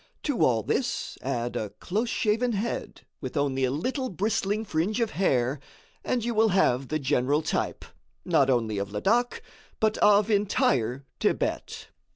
To all this, add a close shaven head with only a little bristling fringe of hair, and you will have the general type, not alone of Ladak, but of entire Thibet.